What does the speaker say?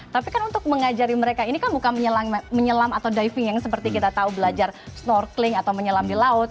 tapi kan untuk mengajari mereka ini kan bukan menyelam atau diving yang seperti kita tahu belajar snorkeling atau menyelam di laut